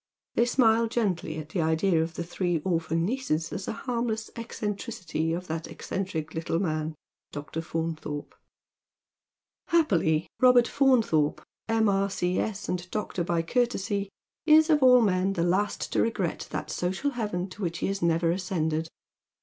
They smile gently at the idea of the three orphan nieces as a harmless eccentricity of that eccentric little man, Dr. Faunthorj^. Happily Robert Faunthorpe, M.R.C.S., and Dr. by courtesy, is of all men the last to regret that social heaven to which he has never ascended.